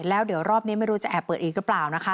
แล้วเดี๋ยวรอบนี้ไม่รู้จะแอบเปิดอีกหรือเปล่านะคะ